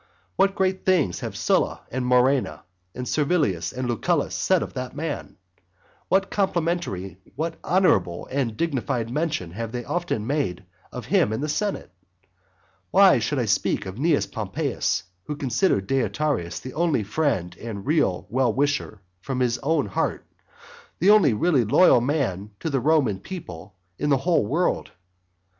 What great things have Sylla, and Murena, and Servilius, and Lucullus said of that man; what complimentary, what honourable and dignified mention have they often made of him in the senate! Why should I speak of Cnaeus Pompeius, who considered Deiotarus the only friend and real well wisher from his heart, the only really loyal man to the Roman people in the whole world?